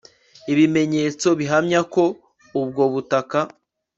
ibimenyetso bihamya ko ubwo butaka